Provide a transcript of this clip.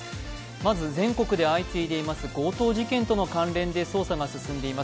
まず、全国で相次いでいます強盗事件との関連で捜査が進んでいます